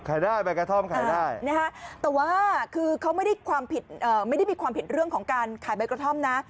ขายได้ใบกระท่อมขายได้แต่ว่าคือเขาไม่ได้มีความผิดเรื่องของการขายใบกระท่อมนะ